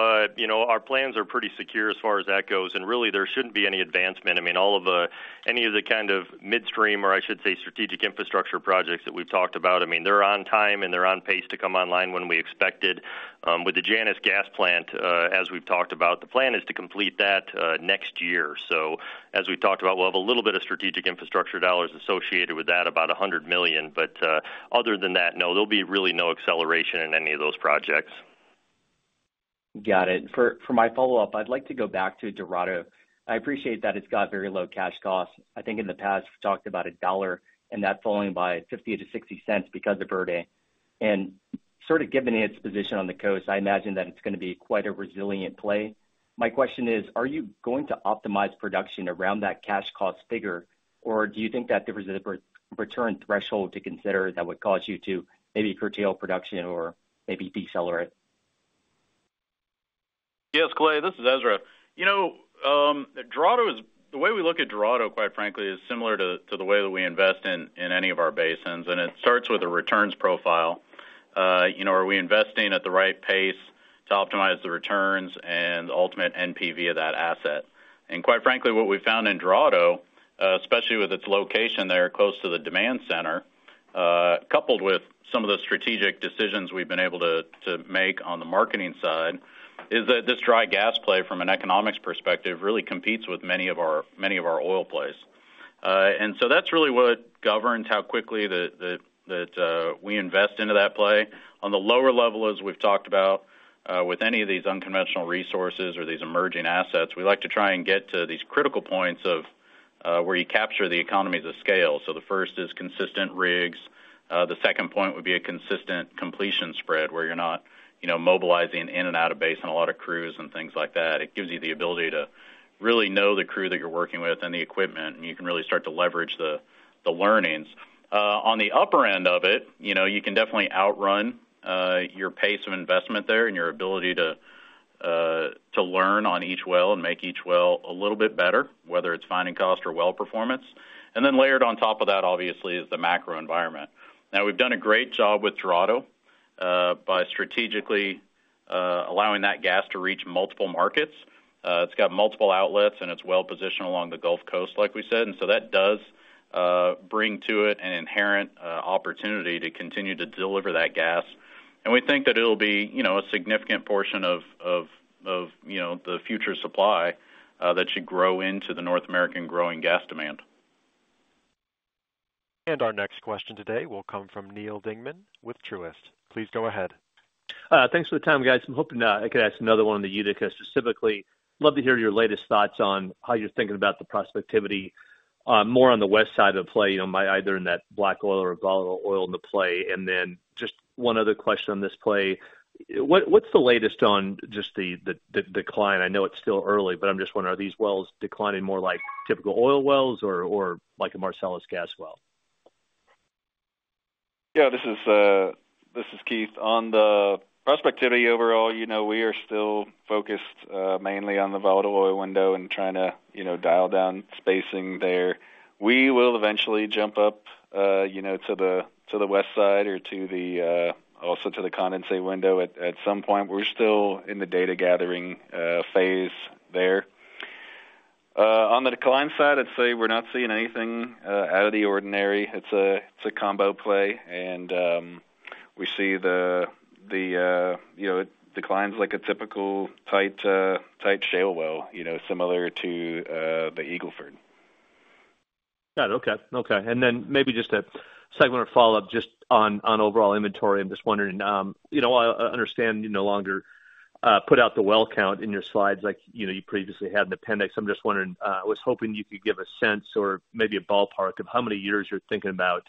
our plans are pretty secure as far as that goes, and really, there shouldn't be any advancement. I mean, all of any of the kind of midstream, or I should say strategic infrastructure projects that we've talked about, I mean, they're on time and they're on pace to come online when we expected. With the Janus Gas Plant, as we've talked about, the plan is to complete that next year, so as we've talked about, we'll have a little bit of strategic infrastructure dollars associated with that, about $100 million, but other than that, no, there'll be really no acceleration in any of those projects. Got it. For my follow-up, I'd like to go back to Dorado. I appreciate that it's got very low cash costs. I think in the past, we've talked about $1 and that falling by $0.50-$0.60 because of Verde, and sort of given its position on the coast, I imagine that it's going to be quite a resilient play. My question is, are you going to optimize production around that cash cost figure, or do you think that there is a return threshold to consider that would cause you to maybe curtail production or maybe decelerate? Yes, Kalei, this is Ezra. The way we look at Dorado, quite frankly, is similar to the way that we invest in any of our basins. And it starts with a returns profile. Are we investing at the right pace to optimize the returns and ultimate NPV of that asset? And quite frankly, what we found in Dorado, especially with its location there close to the demand center, coupled with some of the strategic decisions we've been able to make on the marketing side, is that this dry gas play from an economics perspective really competes with many of our oil plays. And so that's really what governs how quickly that we invest into that play. On the lower level, as we've talked about, with any of these unconventional resources or these emerging assets, we like to try and get to these critical points of where you capture the economies of scale, so the first is consistent rigs. The second point would be a consistent completion spread where you're not mobilizing in and out of basin on a lot of crews and things like that. It gives you the ability to really know the crew that you're working with and the equipment, and you can really start to leverage the learnings. On the upper end of it, you can definitely outrun your pace of investment there and your ability to learn on each well and make each well a little bit better, whether it's finding cost or well performance, and then layered on top of that, obviously, is the macro environment. Now, we've done a great job with Dorado by strategically allowing that gas to reach multiple markets. It's got multiple outlets, and it's well positioned along the Gulf Coast, like we said. And so that does bring to it an inherent opportunity to continue to deliver that gas. And we think that it'll be a significant portion of the future supply that should grow into the North American growing gas demand. Our next question today will come from Neal Dingmann with Truist. Please go ahead. Thanks for the time, guys. I'm hoping I could ask another one on the Utica specifically. Love to hear your latest thoughts on how you're thinking about the prospectivity more on the west side of the play by either in that black oil or volatile oil in the play. And then just one other question on this play. What's the latest on just the decline? I know it's still early, but I'm just wondering, are these wells declining more like typical oil wells or like a Marcellus gas well? Yeah, this is Keith. On the prospectivity overall, we are still focused mainly on the volatile oil window and trying to dial down spacing there. We will eventually jump up to the west side or also to the condensate window at some point. We're still in the data gathering phase there. On the decline side, I'd say we're not seeing anything out of the ordinary. It's a combo play. And we see the decline is like a typical tight shale well, similar to the Eagle Ford. Got it. Okay. Okay. And then maybe just a segment of follow-up just on overall inventory. I'm just wondering, while I understand you no longer put out the well count in your slides like you previously had in the appendix, I'm just wondering, I was hoping you could give a sense or maybe a ballpark of how many years you're thinking about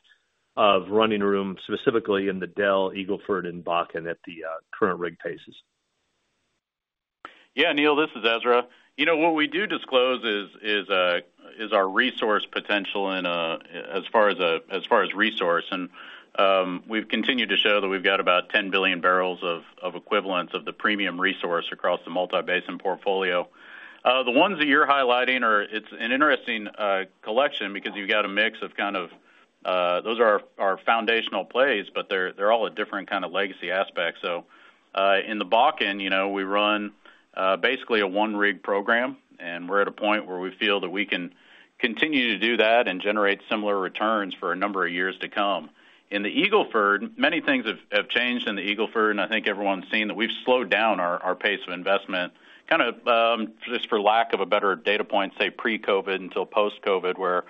of running room specifically in the Del, Eagle Ford, and Bakken at the current rig paces? Yeah, Neil, this is Ezra. What we do disclose is our resource potential as far as resource. And we've continued to show that we've got about 10 billion barrels of equivalents of the premium resource across the multi-basin portfolio. The ones that you're highlighting are an interesting collection because you've got a mix of kind of those are our foundational plays, but they're all a different kind of legacy aspect. So in the Bakken, we run basically a one-rig program. And we're at a point where we feel that we can continue to do that and generate similar returns for a number of years to come. In the Eagle Ford, many things have changed in the Eagle Ford. I think everyone's seen that we've slowed down our pace of investment kind of just for lack of a better data point, say, pre-COVID until post-COVID, where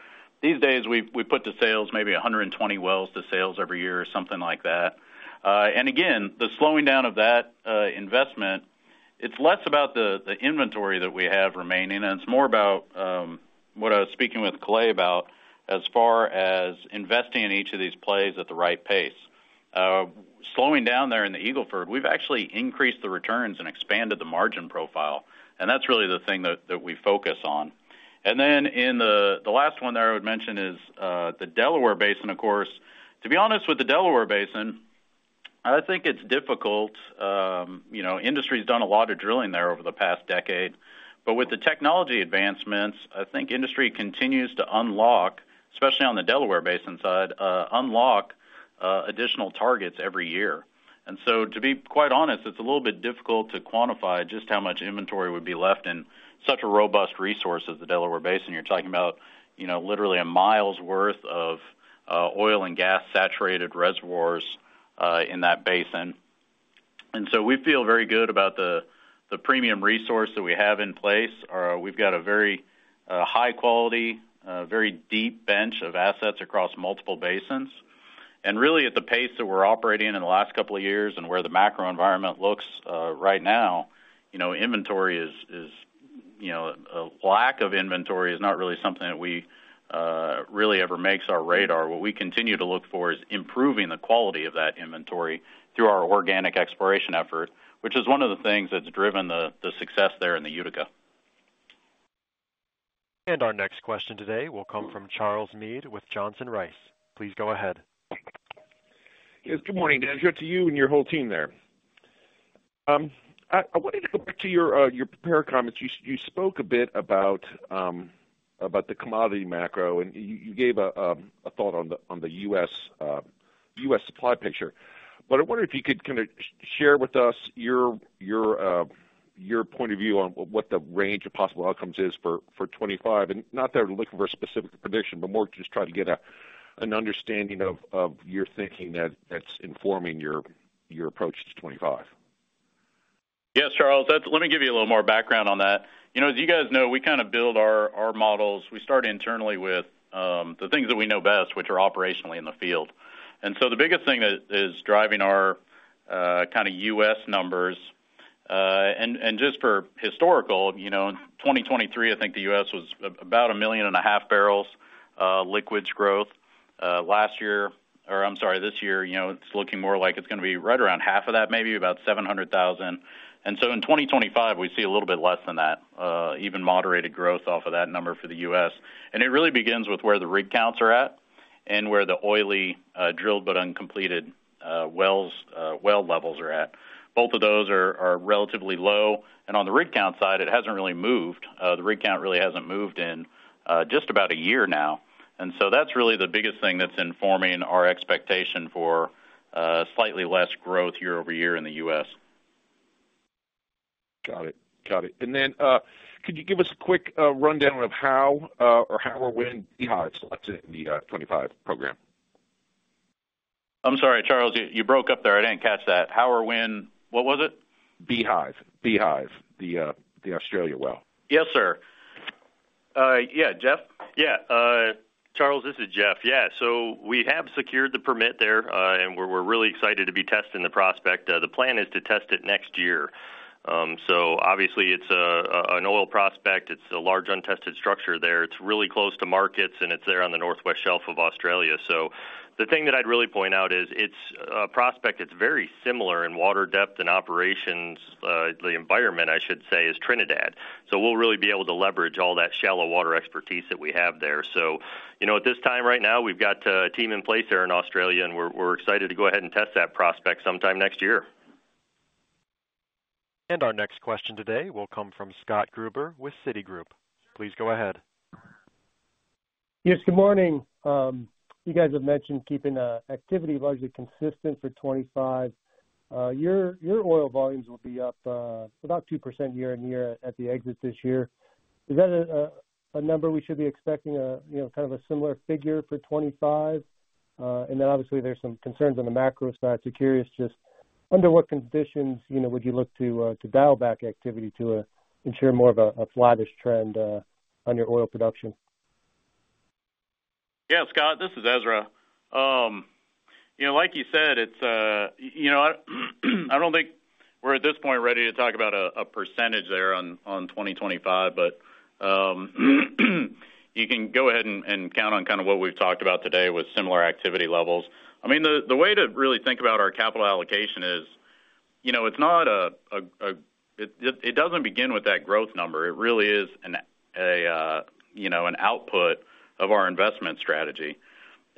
these days we put to sales maybe 120 wells to sales every year or something like that. And again, the slowing down of that investment, it's less about the inventory that we have remaining. And it's more about what I was speaking with Kalei about as far as investing in each of these plays at the right pace. Slowing down there in the Eagle Ford, we've actually increased the returns and expanded the margin profile. And that's really the thing that we focus on. And then in the last one there, I would mention is the Delaware Basin, of course. To be honest, with the Delaware Basin, I think it's difficult. Industry has done a lot of drilling there over the past decade. But with the technology advancements, I think industry continues to unlock, especially on the Delaware Basin side, unlock additional targets every year. And so to be quite honest, it's a little bit difficult to quantify just how much inventory would be left in such a robust resource as the Delaware Basin. You're talking about literally a mile's worth of oil and gas saturated reservoirs in that basin. And so we feel very good about the premium resource that we have in place. We've got a very high-quality, very deep bench of assets across multiple basins. And really, at the pace that we're operating in the last couple of years and where the macro environment looks right now, inventory is a lack of inventory is not really something that we really ever makes our radar. What we continue to look for is improving the quality of that inventory through our organic exploration effort, which is one of the things that's driven the success there in the Utica. Our next question today will come from Charles Meade with Johnson Rice. Please go ahead. Yes, good morning, Dan. Good to you and your whole team there. I wanted to go back to your prior comments. You spoke a bit about the commodity macro, and you gave a thought on the U.S. supply picture. But I wonder if you could kind of share with us your point of view on what the range of possible outcomes is for 2025, and not that we're looking for a specific prediction, but more just trying to get an understanding of your thinking that's informing your approach to 2025. Yes, Charles. Let me give you a little more background on that. As you guys know, we kind of build our models. We start internally with the things that we know best, which are operationally in the field. And so the biggest thing that is driving our kind of U.S. numbers. And just for historical, in 2023, I think the U.S. was about 1.5 million barrels liquids growth. Last year, or I'm sorry, this year, it's looking more like it's going to be right around half of that, maybe about 700,000. And so in 2025, we see a little bit less than that, even moderated growth off of that number for the U.S. And it really begins with where the rig counts are at and where the oily drilled but uncompleted well levels are at. Both of those are relatively low. On the rig count side, it hasn't really moved. The rig count really hasn't moved in just about a year now. So that's really the biggest thing that's informing our expectation for slightly less growth year-over-year in the U.S. Got it. Got it. And then could you give us a quick rundown of how or when Beehive selected the 2025 program? I'm sorry, Charles. You broke up there. I didn't catch that. How or when? What was it? Beehive. Beehive, the Australia well. Yes, sir. Yeah, Jeff? Yeah. Charles, this is Jeff. Yeah. So we have secured the permit there, and we're really excited to be testing the prospect. The plan is to test it next year. So obviously, it's an oil prospect. It's a large untested structure there. It's really close to markets, and it's there on the Northwest Shelf of Australia. So the thing that I'd really point out is it's a prospect that's very similar in water depth and operations. The environment, I should say, is Trinidad. So we'll really be able to leverage all that shallow water expertise that we have there. So at this time right now, we've got a team in place there in Australia, and we're excited to go ahead and test that prospect sometime next year. Our next question today will come from Scott Gruber with Citigroup. Please go ahead. Yes, good morning. You guys have mentioned keeping activity largely consistent for 2025. Your oil volumes will be up about 2% year on year at the exit this year. Is that a number we should be expecting, kind of a similar figure for 2025? And then obviously, there's some concerns on the macro side. So curious just under what conditions would you look to dial back activity to ensure more of a flattish trend on your oil production? Yeah, Scott, this is Ezra. Like you said, I don't think we're at this point ready to talk about a percentage there on 2025, but you can go ahead and count on kind of what we've talked about today with similar activity levels. I mean, the way to really think about our capital allocation is it's not a it doesn't begin with that growth number. It really is an output of our investment strategy.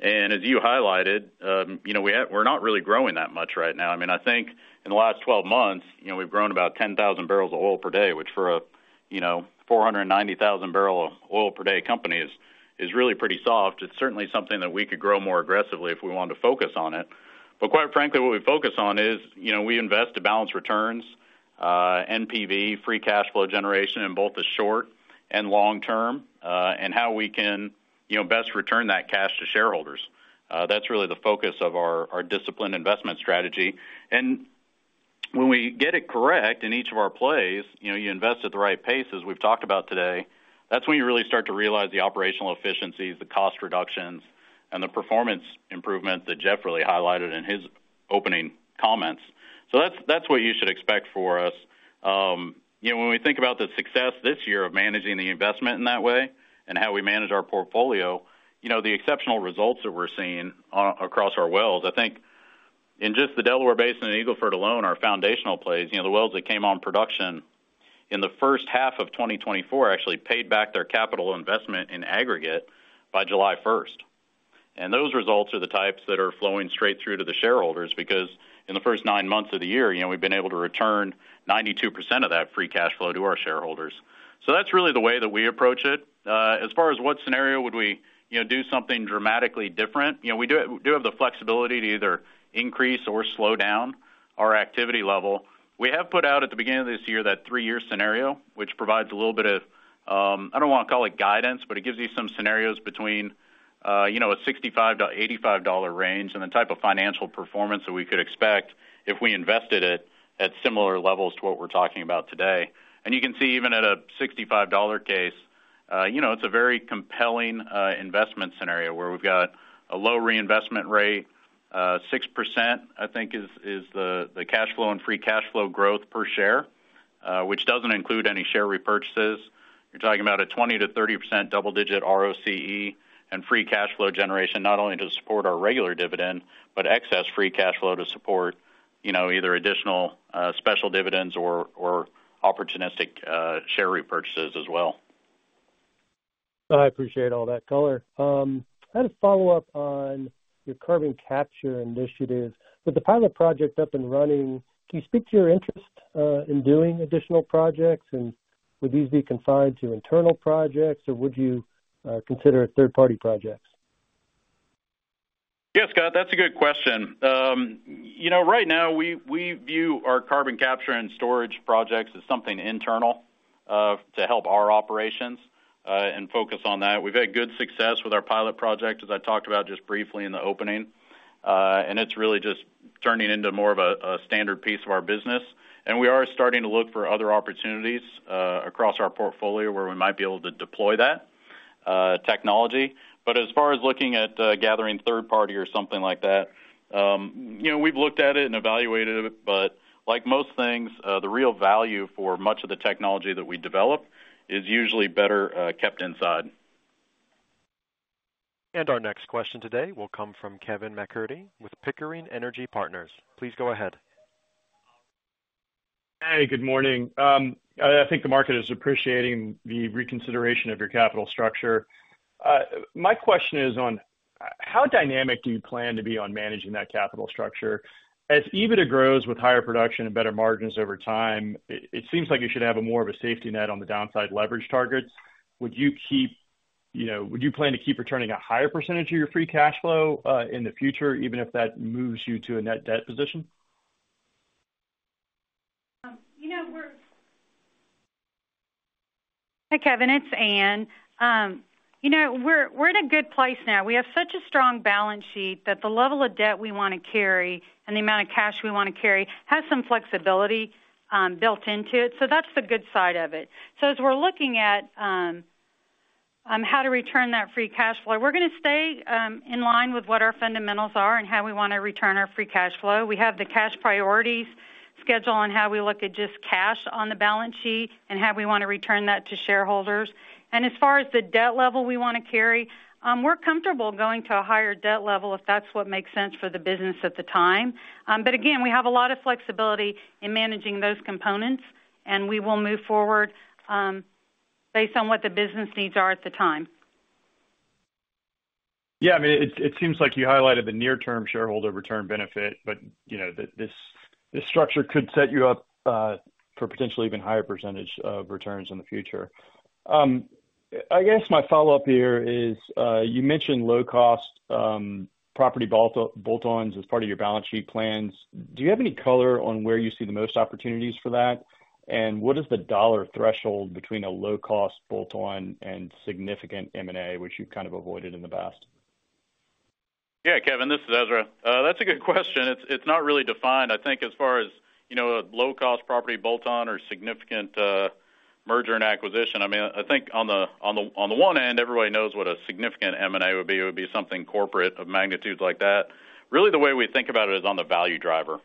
And as you highlighted, we're not really growing that much right now. I mean, I think in the last 12 months, we've grown about 10,000 barrels of oil per day, which for a 490,000 barrel of oil per day company is really pretty soft. It's certainly something that we could grow more aggressively if we wanted to focus on it. But quite frankly, what we focus on is we invest to balance returns, NPV, free cash flow generation in both the short and long term, and how we can best return that cash to shareholders. That's really the focus of our disciplined investment strategy. And when we get it correct in each of our plays, you invest at the right pace, as we've talked about today. That's when you really start to realize the operational efficiencies, the cost reductions, and the performance improvements that Jeff really highlighted in his opening comments. So that's what you should expect for us. When we think about the success this year of managing the investment in that way and how we manage our portfolio, the exceptional results that we're seeing across our wells, I think in just the Delaware Basin and Eagle Ford alone, our foundational plays, the wells that came on production in the first half of 2024 actually paid back their capital investment in aggregate by July 1st, and those results are the types that are flowing straight through to the shareholders because in the first nine months of the year, we've been able to return 92% of that free cash flow to our shareholders, so that's really the way that we approach it. As far as what scenario would we do something dramatically different? We do have the flexibility to either increase or slow down our activity level. We have put out at the beginning of this year that three-year scenario, which provides a little bit of, I don't want to call it guidance, but it gives you some scenarios between a $65-$85 range and the type of financial performance that we could expect if we invested at similar levels to what we're talking about today, and you can see even at a $65 case, it's a very compelling investment scenario where we've got a low reinvestment rate, 6%, I think, is the cash flow and free cash flow growth per share, which doesn't include any share repurchases. You're talking about a 20%-30% double-digit ROCE and free cash flow generation, not only to support our regular dividend, but excess free cash flow to support either additional special dividends or opportunistic share repurchases as well. I appreciate all that color. I had a follow-up on your carbon capture initiative. With the pilot project up and running, can you speak to your interest in doing additional projects? And would these be confined to internal projects, or would you consider third-party projects? Yes, Scott, that's a good question. Right now, we view our carbon capture and storage projects as something internal to help our operations and focus on that. We've had good success with our pilot project, as I talked about just briefly in the opening, and it's really just turning into more of a standard piece of our business, and we are starting to look for other opportunities across our portfolio where we might be able to deploy that technology, but as far as looking at gathering third-party or something like that, we've looked at it and evaluated it, but like most things, the real value for much of the technology that we develop is usually better kept inside. Our next question today will come from Kevin McCurdy with Pickering Energy Partners. Please go ahead. Hey, good morning. I think the market is appreciating the reconsideration of your capital structure. My question is on how dynamic do you plan to be on managing that capital structure? As EBITDA grows with higher production and better margins over time, it seems like you should have more of a safety net on the downside leverage targets. Would you keep, would you plan to keep returning a higher percentage of your free cash flow in the future, even if that moves you to a net debt position? Hi, Kevin. It's Ann. We're in a good place now. We have such a strong balance sheet that the level of debt we want to carry and the amount of cash we want to carry has some flexibility built into it. So that's the good side of it. So as we're looking at how to return that free cash flow, we're going to stay in line with what our fundamentals are and how we want to return our free cash flow. We have the cash priorities schedule on how we look at just cash on the balance sheet and how we want to return that to shareholders. And as far as the debt level we want to carry, we're comfortable going to a higher debt level if that's what makes sense for the business at the time. But again, we have a lot of flexibility in managing those components, and we will move forward based on what the business needs are at the time. Yeah, I mean, it seems like you highlighted the near-term shareholder return benefit, but this structure could set you up for potentially even higher percentage of returns in the future. I guess my follow-up here is you mentioned low-cost property bolt-ons as part of your balance sheet plans. Do you have any color on where you see the most opportunities for that? And what is the dollar threshold between a low-cost bolt-on and significant M&A, which you've kind of avoided in the past? Yeah, Kevin, this is Ezra. That's a good question. It's not really defined, I think, as far as a low-cost property bolt-on or significant merger and acquisition. I mean, I think on the one end, everybody knows what a significant M&A would be. It would be something corporate of magnitude like that. Really, the way we think about it is on the value driver.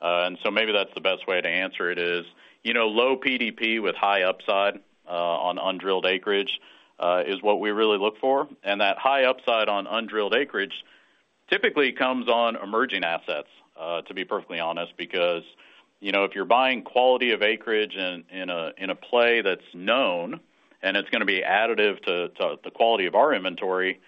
And so maybe that's the best way to answer it: low PDP with high upside on undrilled acreage is what we really look for. And that high upside on undrilled acreage typically comes on emerging assets, to be perfectly honest, because if you're buying quality of acreage in a play that's known and it's going to be additive to the quality of our inventory,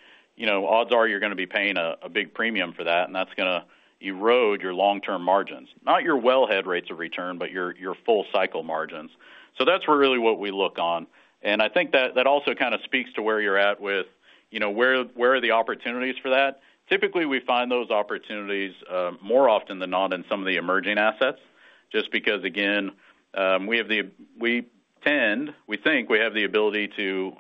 odds are you're going to be paying a big premium for that, and that's going to erode your long-term margins. Not your wellhead rates of return, but your full-cycle margins. So that's really what we look on. And I think that also kind of speaks to where you're at with where are the opportunities for that. Typically, we find those opportunities more often than not in some of the emerging assets just because, again, we tend, we think we have the ability to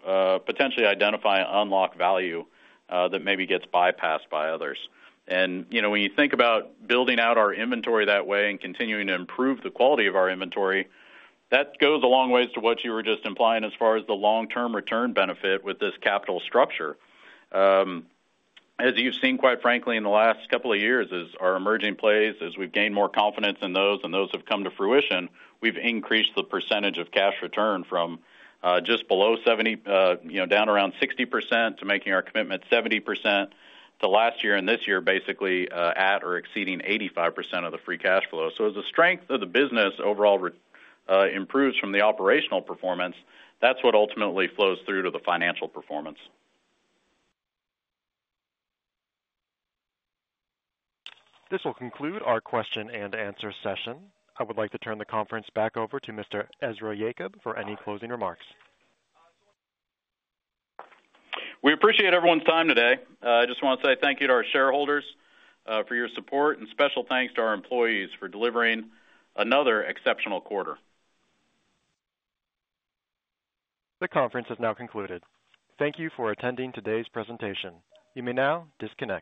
potentially identify an unlocked value that maybe gets bypassed by others. And when you think about building out our inventory that way and continuing to improve the quality of our inventory, that goes a long ways to what you were just implying as far as the long-term return benefit with this capital structure. As you've seen, quite frankly, in the last couple of years, our emerging plays, as we've gained more confidence in those and those have come to fruition, we've increased the percentage of cash return from just below 70, down around 60% to making our commitment 70% to last year and this year basically at or exceeding 85% of the free cash flow. So as the strength of the business overall improves from the operational performance, that's what ultimately flows through to the financial performance. This will conclude our question and answer session. I would like to turn the conference back over to Mr. Ezra Yacob for any closing remarks. We appreciate everyone's time today. I just want to say thank you to our shareholders for your support and special thanks to our employees for delivering another exceptional quarter. The conference has now concluded. Thank you for attending today's presentation. You may now disconnect.